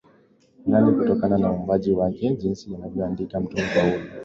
fulani kutokana na uumbaji wake jinsi alivyoandika Mtume Paulo